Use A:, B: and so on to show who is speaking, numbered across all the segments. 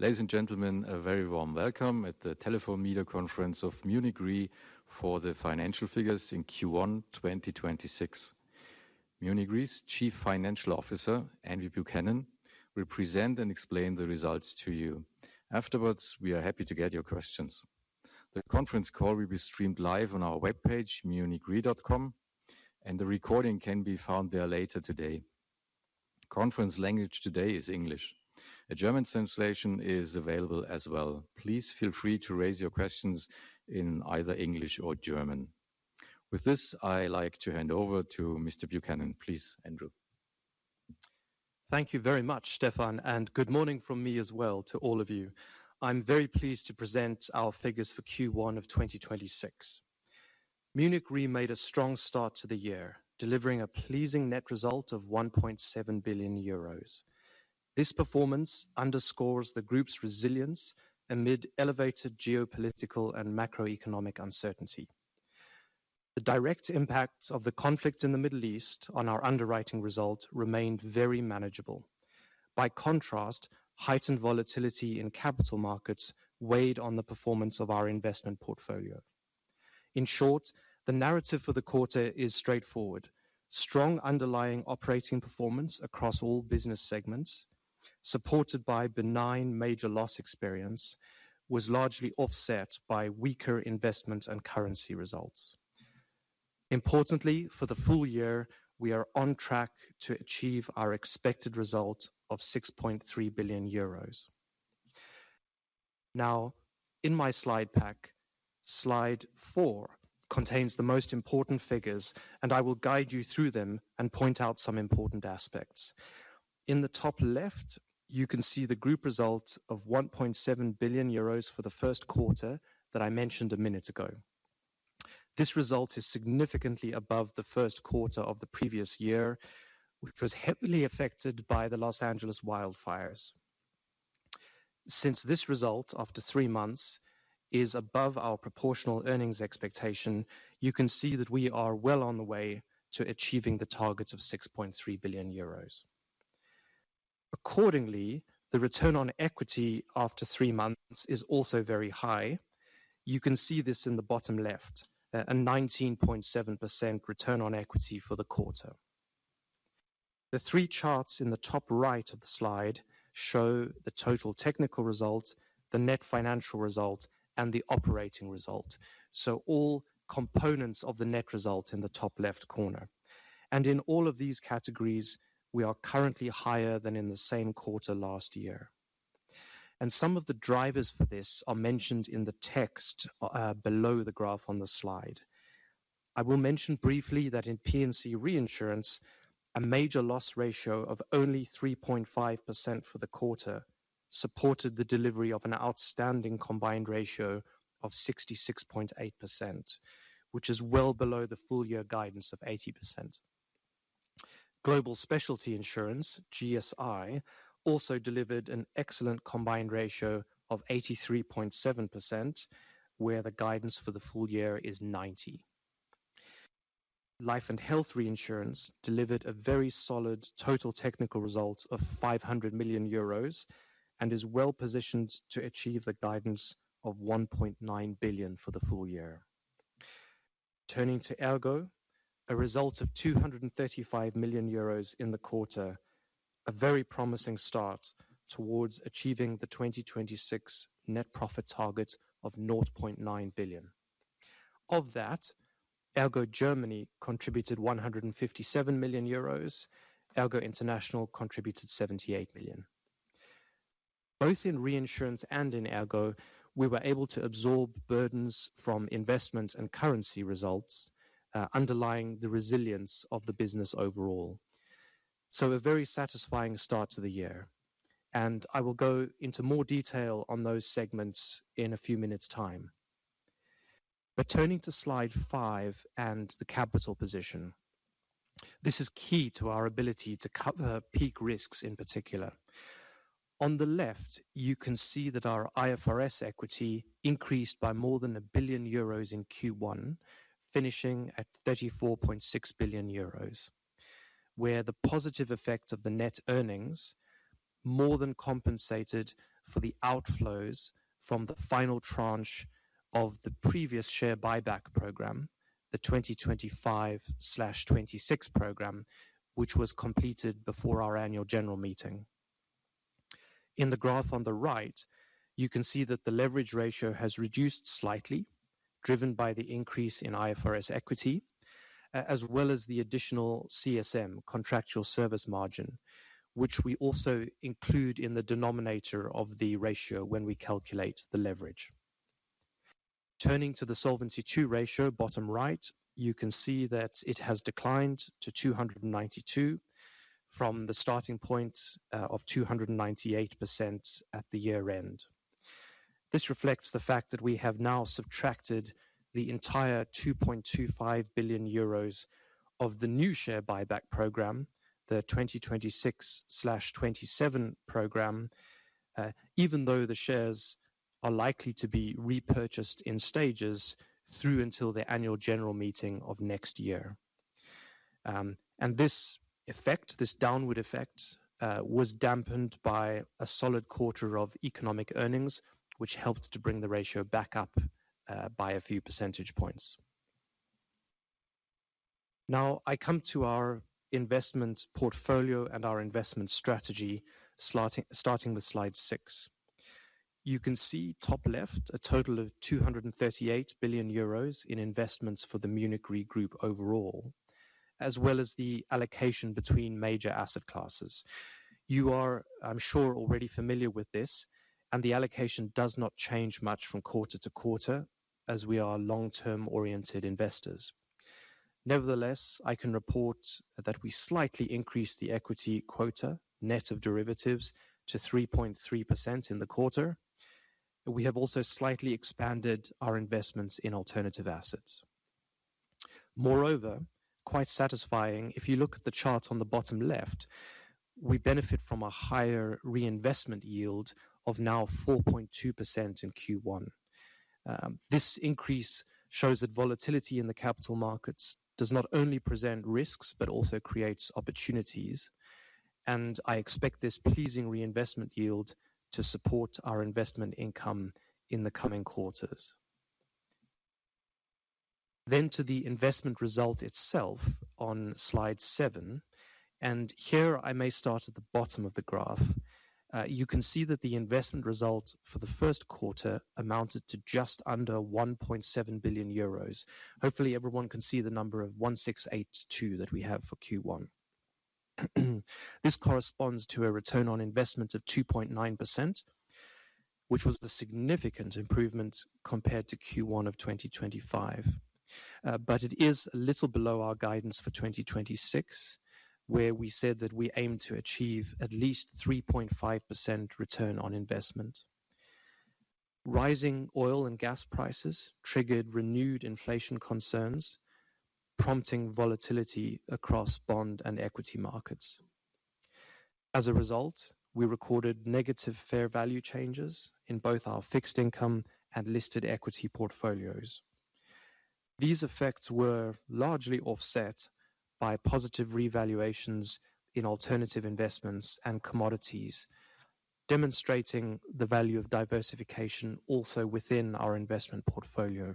A: Ladies and gentlemen, a very warm welcome at the telephone media conference of Munich Re for the financial figures in Q1 2026. Munich Re's Chief Financial Officer, Andrew Buchanan, will present and explain the results to you. Afterwards, we are happy to get your questions. The conference call will be streamed live on our webpage, munichre.com, and the recording can be found there later today. Conference language today is English. A German translation is available as well. Please feel free to raise your questions in either English or German. With this, I like to hand over to Mr. Buchanan. Please, Andrew.
B: Thank you very much, Stefan, and good morning from me as well to all of you. I am very pleased to present our figures for Q1 of 2026. Munich Re made a strong start to the year, delivering a pleasing net result of 1.7 billion euros. This performance underscores the group's resilience amid elevated geopolitical and macroeconomic uncertainty. The direct impact of the conflict in the Middle East on our underwriting result remained very manageable. By contrast, heightened volatility in capital markets weighed on the performance of our investment portfolio. In short, the narrative for the quarter is straightforward. Strong underlying operating performance across all business segments, supported by benign major loss experience, was largely offset by weaker investment and currency results. Importantly, for the full year, we are on track to achieve our expected result of 6.3 billion euros. In my slide pack, slide four contains the most important figures, and I will guide you through them and point out some important aspects. In the top left, you can see the group result of 1.7 billion euros for the first quarter that I mentioned a minute ago. This result is significantly above the first quarter of the previous year, which was heavily affected by the Los Angeles wildfires. Since this result, after three months, is above our proportional earnings expectation, you can see that we are well on the way to achieving the target of 6.3 billion euros. Accordingly, the return on equity after three months is also very high. You can see this in the bottom left, a 19.7% return on equity for the quarter. The three charts in the top right of the slide show the total technical result, the net financial result, and the operating result, so all components of the net result in the top left corner. In all of these categories, we are currently higher than in the same quarter last year. Some of the drivers for this are mentioned in the text below the graph on the slide. I will mention briefly that in P&C reinsurance, a major loss ratio of only 3.5% for the quarter supported the delivery of an outstanding combined ratio of 66.8%, which is well below the full year guidance of 80%. Global Specialty Insurance, GSI, also delivered an excellent combined ratio of 83.7%, where the guidance for the full year is 90%. Life and health reinsurance delivered a very solid total technical result of 500 million euros and is well-positioned to achieve the guidance of 1.9 billion for the full year. Turning to ERGO, a result of 235 million euros in the quarter, a very promising start towards achieving the 2026 net profit target of 0.9 billion. Of that, ERGO Germany contributed 157 million euros. ERGO International contributed 78 million. Both in reinsurance and in ERGO, we were able to absorb burdens from investment and currency results, underlying the resilience of the business overall. A very satisfying start to the year, and I will go into more detail on those segments in a few minutes' time. Turning to slide five and the capital position, this is key to our ability to cover peak risks in particular. On the left, you can see that our IFRS equity increased by more than 1 billion euros in Q1, finishing at 34.6 billion euros, where the positive effect of the net earnings more than compensated for the outflows from the final tranche of the previous share buyback program, the 2025/2026 program, which was completed before our annual general meeting. In the graph on the right, you can see that the leverage ratio has reduced slightly, driven by the increase in IFRS equity, as well as the additional CSM, contractual service margin, which we also include in the denominator of the ratio when we calculate the leverage. Turning to the Solvency II ratio, bottom right, you can see that it has declined to 292% from the starting point of 298% at the year-end. This reflects the fact that we have now subtracted the entire 2.25 billion euros of the new share buyback program, the 2026/2027 program, even though the shares are likely to be repurchased in stages through until the annual general meeting of next year. This effect, this downward effect, was dampened by a solid quarter of economic earnings, which helped to bring the ratio back up by a few percentage points. Now I come to our investment portfolio and our investment strategy, starting with slide six. You can see top left a total of 238 billion euros in investments for the Munich Re Group overall, as well as the allocation between major asset classes. You are, I'm sure, already familiar with this, the allocation does not change much from quarter-to-quarter, as we are long-term oriented investors. Nevertheless, I can report that we slightly increased the equity quota, net of derivatives, to 3.3% in the quarter. We have also slightly expanded our investments in alternative assets. Quite satisfying, if you look at the chart on the bottom left, we benefit from a higher reinvestment yield of now 4.2% in Q1. This increase shows that volatility in the capital markets does not only present risks, but also creates opportunities, and I expect this pleasing reinvestment yield to support our investment income in the coming quarters. To the investment result itself on slide seven, here I may start at the bottom of the graph. You can see that the investment result for the first quarter amounted to just under 1.7 billion euros. Hopefully everyone can see the number of 1,682 that we have for Q1. This corresponds to a return on investment of 2.9%, which was a significant improvement compared to Q1 of 2025. It is a little below our guidance for 2026, where we said that we aim to achieve at least 3.5% return on investment. Rising oil and gas prices triggered renewed inflation concerns, prompting volatility across bond and equity markets. As a result, we recorded negative fair value changes in both our fixed income and listed equity portfolios. These effects were largely offset by positive revaluations in alternative investments and commodities, demonstrating the value of diversification also within our investment portfolio.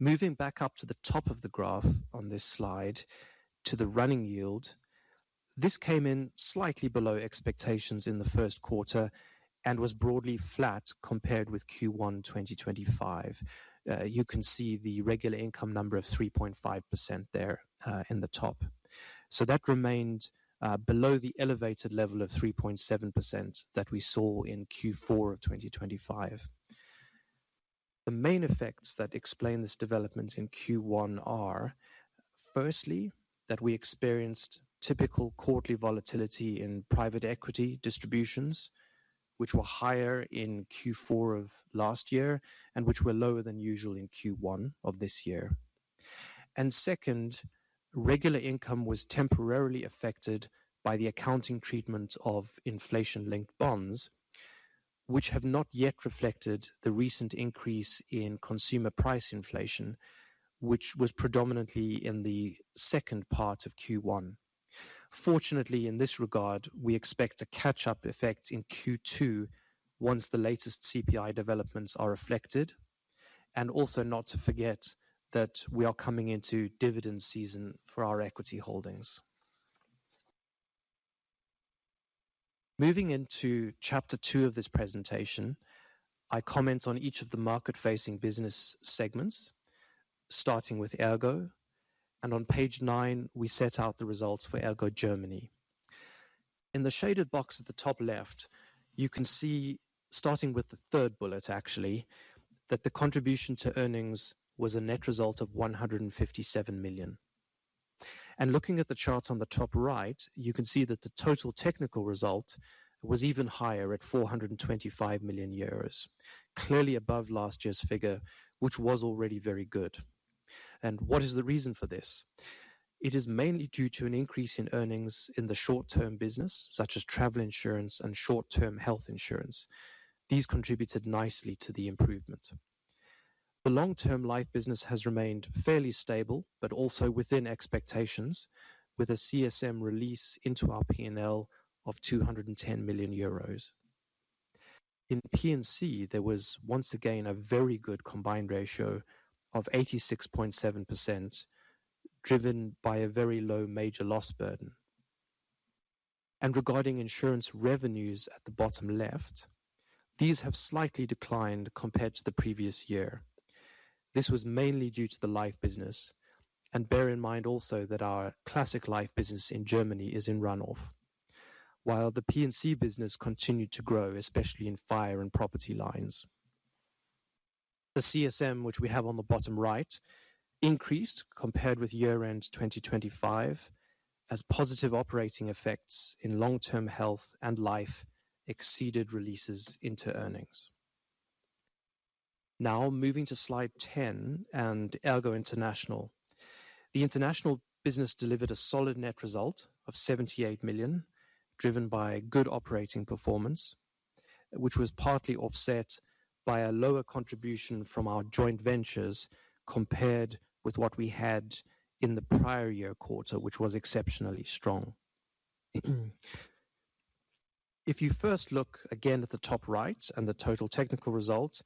B: Moving back up to the top of the graph on this slide to the running yield, this came in slightly below expectations in the first quarter and was broadly flat compared with Q1 2025. You can see the regular income number of 3.5% there, in the top. That remained below the elevated level of 3.7% that we saw in Q4 of 2025. The main effects that explain this development in Q1 are, firstly, that we experienced typical quarterly volatility in private equity distributions, which were higher in Q4 of last year and which were lower than usual in Q1 of this year. Second, regular income was temporarily affected by the accounting treatment of inflation-linked bonds, which have not yet reflected the recent increase in consumer price inflation, which was predominantly in the second part of Q1. Fortunately, in this regard, we expect a catch-up effect in Q2 once the latest CPI developments are reflected. Also not to forget that we are coming into dividend season for our equity holdings. Moving into chapter two of this presentation, I comment on each of the market-facing business segments, starting with ERGO. On page nine, we set out the results for ERGO Germany. In the shaded box at the top left, you can see, starting with the third bullet actually, that the contribution to earnings was a net result of 157 million. Looking at the chart on the top right, you can see that the total technical result was even higher at 425 million euros, clearly above last year's figure, which was already very good. What is the reason for this? It is mainly due to an increase in earnings in the short-term business, such as travel insurance and short-term health insurance. These contributed nicely to the improvement. The long-term life business has remained fairly stable but also within expectations, with a CSM release into our P&L of 210 million euros. In P&C, there was once again a very good combined ratio of 86.7%, driven by a very low major loss burden. Regarding insurance revenues at the bottom left, these have slightly declined compared to the previous year. This was mainly due to the life business. Bear in mind also that our classic life business in Germany is in run-off. While the P&C business continued to grow, especially in fire and property lines. The CSM, which we have on the bottom right, increased compared with year-end 2025 as positive operating effects in long-term health and life exceeded releases into earnings. Moving to slide 10 and ERGO International. The international business delivered a solid net result of 78 million, driven by good operating performance. Which was partly offset by a lower contribution from our joint ventures compared with what we had in the prior year quarter, which was exceptionally strong. If you first look again at the top right and the total technical results,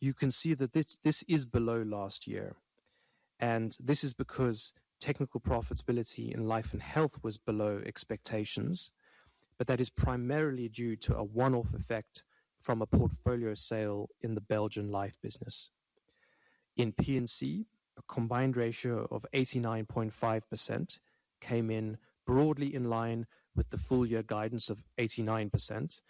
B: you can see that this is below last year. This is because technical profitability in life and health was below expectations, but that is primarily due to a one-off effect from a portfolio sale in the Belgian life business. In P&C, a combined ratio of 89.5% came in broadly in line with the full year guidance of 89%,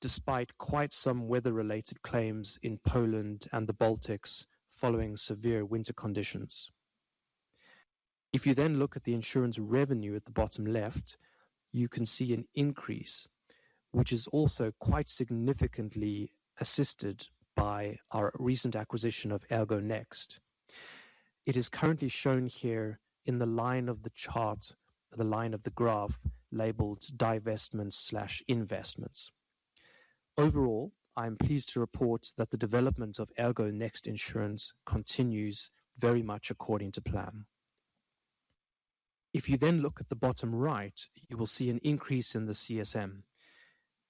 B: despite quite some weather related claims in Poland and the Baltics following severe winter conditions. If you then look at the insurance revenue at the bottom left, you can see an increase, which is also quite significantly assisted by our recent acquisition of ERGO NEXT. It is currently shown here in the line of the chart, the line of the graph labeled divestments slash investments. Overall, I am pleased to report that the development of ERGO NEXT Insurance continues very much according to plan. If you then look at the bottom right, you will see an increase in the CSM.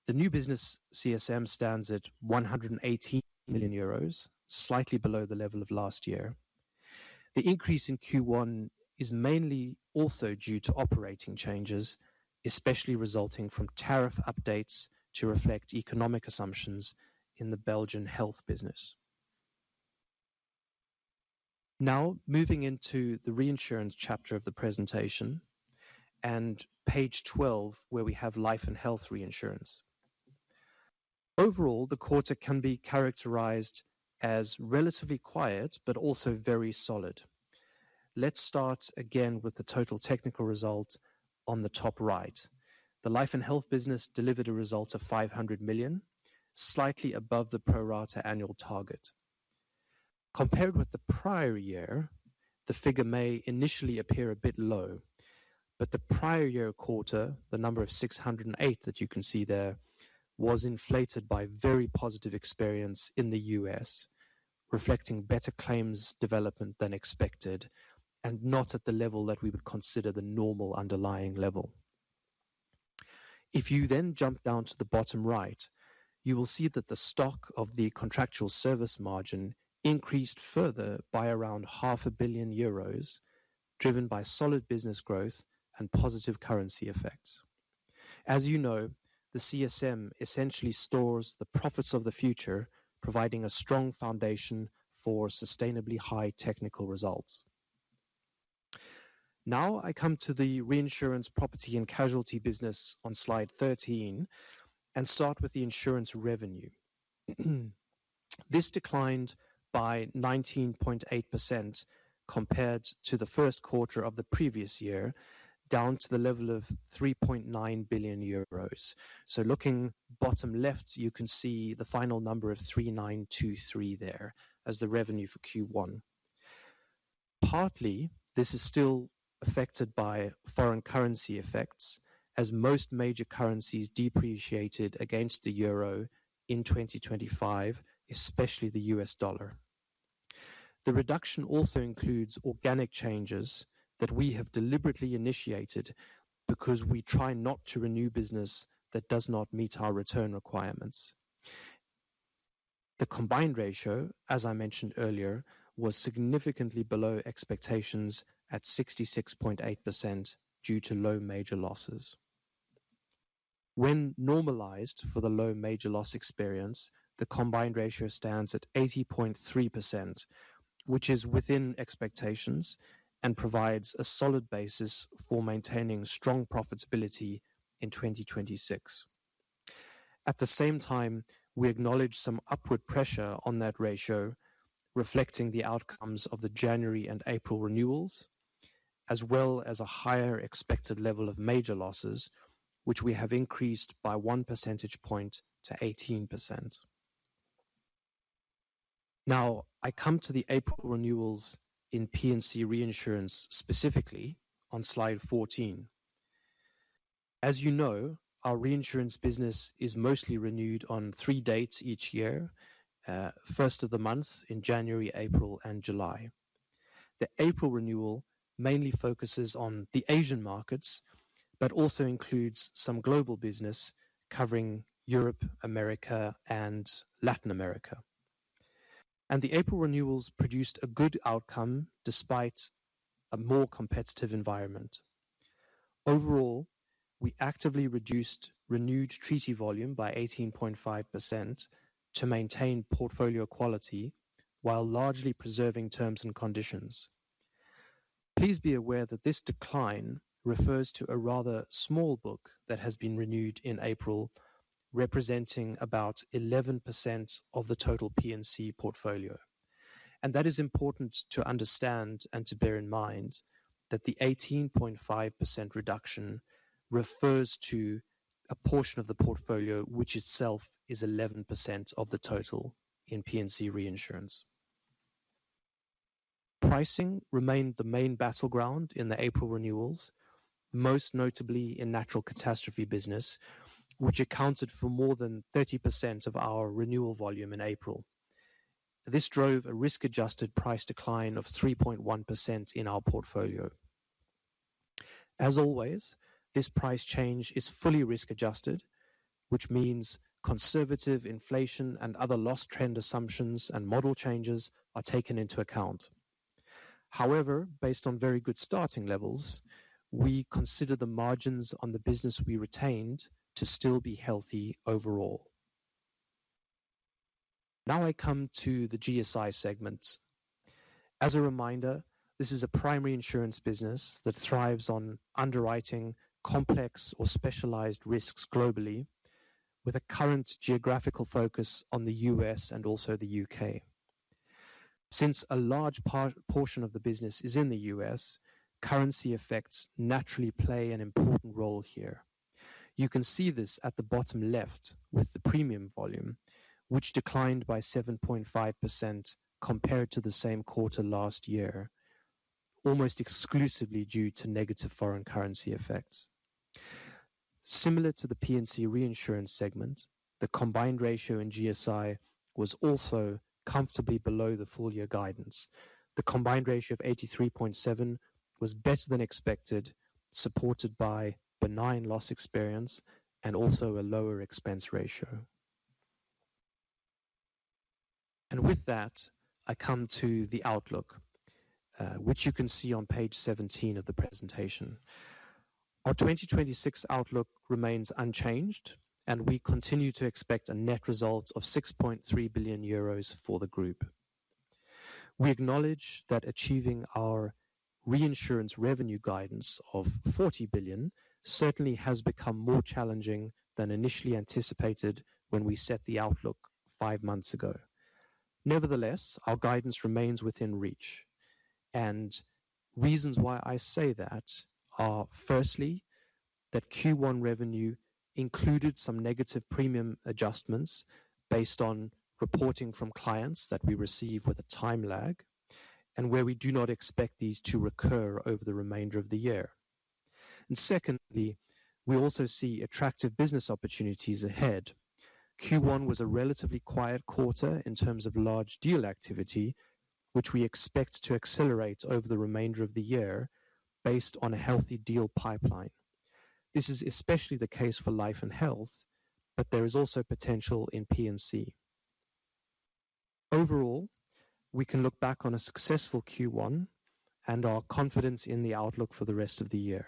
B: The new business CSM stands at 180 million euros, slightly below the level of last year. The increase in Q1 is mainly also due to operating changes, especially resulting from tariff updates to reflect economic assumptions in the Belgian health business. Moving into the reinsurance chapter of the presentation and page 12, where we have life and health reinsurance. Overall, the quarter can be characterized as relatively quiet but also very solid. Let's start again with the total technical results on the top right. The life and health business delivered a result of 500 million, slightly above the pro rata annual target. Compared with the prior year, the figure may initially appear a bit low, but the prior year quarter, the number of 608 that you can see there, was inflated by very positive experience in the U.S., reflecting better claims development than expected, and not at the level that we would consider the normal underlying level. If you then jump down to the bottom right, you will see that the stock of the contractual service margin increased further by around 500,000,000 euros, driven by solid business growth and positive currency effects. As you know, the CSM essentially stores the profits of the future, providing a strong foundation for sustainably high technical results. Now I come to the reinsurance property and casualty business on slide 13 and start with the insurance revenue. This declined by 19.8% compared to the first quarter of the previous year, down to the level of 3.9 billion euros. Looking bottom left, you can see the final number of 3,923 there as the revenue for Q1. Partly, this is still affected by foreign currency effects, as most major currencies depreciated against the euro in 2025, especially the U.S. dollar. The reduction also includes organic changes that we have deliberately initiated because we try not to renew business that does not meet our return requirements. The combined ratio, as I mentioned earlier, was significantly below expectations at 66.8% due to low major losses. When normalized for the low major loss experience, the combined ratio stands at 80.3%, which is within expectations and provides a solid basis for maintaining strong profitability in 2026. At the same time, we acknowledge some upward pressure on that ratio, reflecting the outcomes of the January and April renewals, as well as a higher expected level of major losses, which we have increased by 1 percentage point to 18%. I come to the April renewals in P&C reinsurance specifically on slide 14. As you know, our reinsurance business is mostly renewed on three dates each year, first of the month in January, April, and July. The April renewal mainly focuses on the Asian markets, but also includes some global business covering Europe, America, and Latin America. The April renewals produced a good outcome despite a more competitive environment. Overall, we actively reduced renewed treaty volume by 18.5% to maintain portfolio quality while largely preserving terms and conditions. Please be aware that this decline refers to a rather small book that has been renewed in April, representing about 11% of the total P&C portfolio. That is important to understand and to bear in mind that the 18.5% reduction refers to a portion of the portfolio which itself is 11% of the total in P&C reinsurance. Pricing remained the main battleground in the April renewals, most notably in natural catastrophe business, which accounted for more than 30% of our renewal volume in April. This drove a risk-adjusted price decline of 3.1% in our portfolio. As always, this price change is fully risk adjusted, which means conservative inflation and other loss trend assumptions and model changes are taken into account. However, based on very good starting levels, we consider the margins on the business we retained to still be healthy overall. Now I come to the GSI segment. As a reminder, this is a primary insurance business that thrives on underwriting complex or specialized risks globally with a current geographical focus on the U.S. and also the U.K. Since a large portion of the business is in the U.S., currency effects naturally play an important role here. You can see this at the bottom left with the premium volume, which declined by 7.5% compared to the same quarter last year, almost exclusively due to negative foreign currency effects. Similar to the P&C reinsurance segment, the combined ratio in GSI was also comfortably below the full year guidance. The combined ratio of 83.7% was better than expected, supported by benign loss experience and also a lower expense ratio. With that, I come to the outlook, which you can see on page 17 of the presentation. Our 2026 outlook remains unchanged. We continue to expect a net result of 6.3 billion euros for the group. We acknowledge that achieving our reinsurance revenue guidance of 40 billion certainly has become more challenging than initially anticipated when we set the outlook five months ago. Nevertheless, our guidance remains within reach. Reasons why I say that are, firstly, that Q1 revenue included some negative premium adjustments based on reporting from clients that we receive with a time lag and where we do not expect these to recur over the remainder of the year. Secondly, we also see attractive business opportunities ahead. Q1 was a relatively quiet quarter in terms of large deal activity, which we expect to accelerate over the remainder of the year based on a healthy deal pipeline. This is especially the case for life and health. There is also potential in P&C. Overall, we can look back on a successful Q1 and are confident in the outlook for the rest of the year.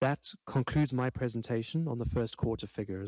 B: That concludes my presentation on the first quarter figures.